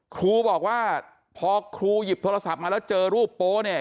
ครูบอกว่าพอครูหยิบโทรศัพท์มาแล้วเจอรูปโป๊เนี่ย